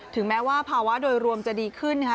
แม้ว่าภาวะโดยรวมจะดีขึ้นนะคะ